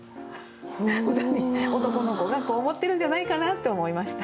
歌に男の子がこう思ってるんじゃないかなって思いました。